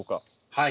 はい。